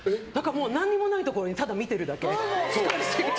何もないところをただ見てるだけ。